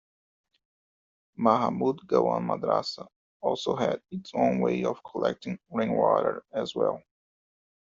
Mahamood Gawan Madrasa also had its own way of collecting rainwater as well.